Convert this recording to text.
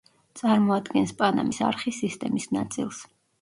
წარმოადგენს პანამის არხის სისტემის ნაწილს.